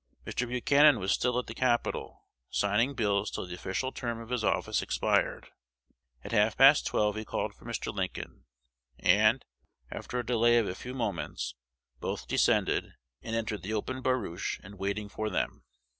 Mr. Buchanan was still at the Capitol, signing bills till the official term of his office expired. At half past twelve he called for Mr. Lincoln; and, after a delay of a few moments, both descended, and entered the open barouche in waiting for them.